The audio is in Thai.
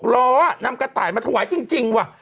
ล้อนำกระต่ายมาถวายจริงว่ะ